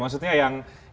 maksudnya yang negatif itu